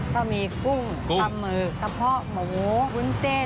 ก็มีกุ้งตำมือตะเพาะหมูวุ้นเส้น